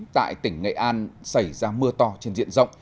tại tỉnh nghệ an xảy ra mưa to trên diện rộng